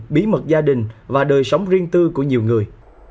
bí mật gia đình và đời sống riêng tư của nhiều người